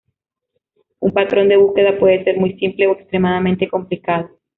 Un patrón de búsqueda puede ser muy simple o extremadamente complicado.